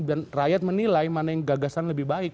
dan rakyat menilai mana yang gagasan lebih baik